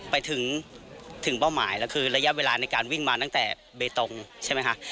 ไปถึงเป้าหมายแล้วคือระยะเวลาในการวิ่งมาตั้งแต่เบตงใช่ไหมคะ